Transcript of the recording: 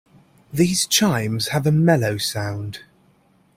These chimes have a mellow sound.